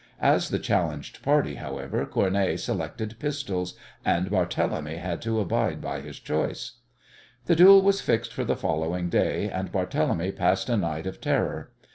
As the challenged party, however, Cournet selected pistols, and Barthélemy had to abide by his choice. The duel was fixed for the following day, and Barthélemy passed a night of terror.